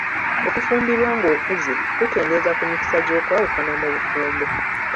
Okufumbirwa ng'okuze kukendeeza ku mikisa gy'okwawukana mu bufumbo.